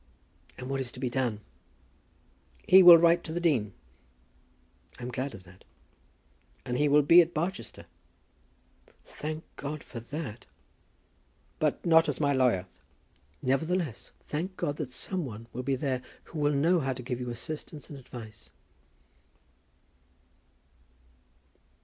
"And what is to be done?" "He will write to the dean." "I am glad of that." "And he will be at Barchester." "Thank God for that." "But not as my lawyer." "Nevertheless, I thank God that some one will be there who will know how to give you assistance and advice."